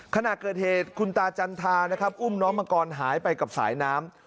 ขณะเกิดเหตุคุณตาจันทานะครับอุ้มน้องมังกรหายไปกับสายน้ำ